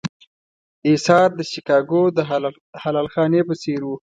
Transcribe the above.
اېثار د شیکاګو د حلال خانې په څېر و.